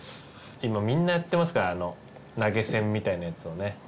今みんなやってますから投げ銭みたいなやつをね。